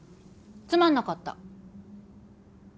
つまんなかった。